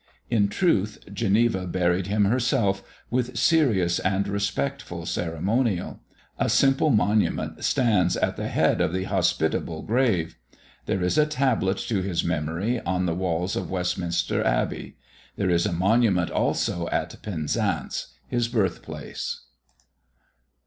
In truth, Geneva buried him herself, with serious and respectful ceremonial. A simple monument stands at the head of the hospitable grave. There is a tablet to his memory on the walls of Westminster Abbey. There is a monument also, at Penzance, his birth place.